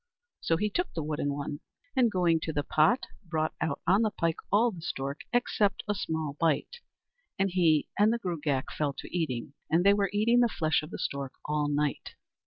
So he took the wooden one; and going to the pot, brought out on the pike all the stork except a small bite, and he and the Gruagach fell to eating, and they were eating the flesh of the stork all night.